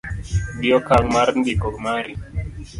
gi okang' mar ndiko mari